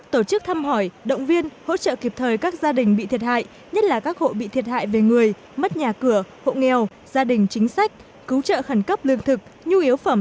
tổ chức thăm hỏi động viên hỗ trợ kịp thời các gia đình bị thiệt hại nhất là các hộ bị thiệt hại về người mất nhà cửa hộ nghèo gia đình chính sách cứu trợ khẩn cấp lương thực nhu yếu phẩm